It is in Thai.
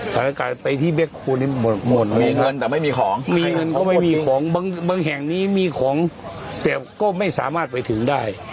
บางแห่งนี้มีของแต่ก็ไม่สามารถไปถึงได้